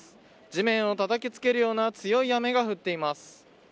地面をたたきつけるような強い雨が降っています。